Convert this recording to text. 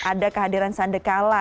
ada kehadiran sandekala